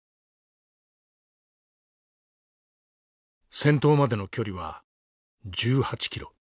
先頭までの距離は１８キロ。